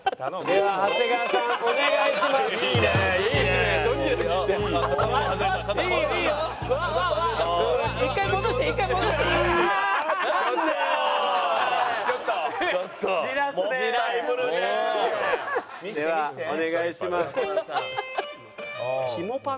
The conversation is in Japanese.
ではお願いします。